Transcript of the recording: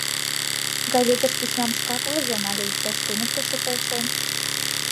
Газетыш письмам шкак возен але иктаж туныктышо полшен?..